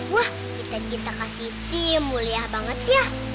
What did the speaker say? wah cita cita khas siti mulia banget ya